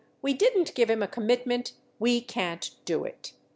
"We didn't give him a commitment. We can't do it."